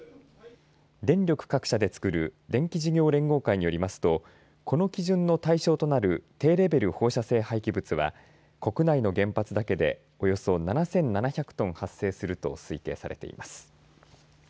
電力各社でつくる電気事業連合会によりますとこの基準の対象となる低レベル放射性廃棄物は国内の原発だけでおよそ７７００トン発生すると推計されています。